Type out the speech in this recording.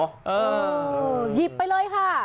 หยิบไปเลยค่ะ